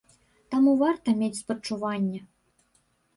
Таму варта мець спачуванне.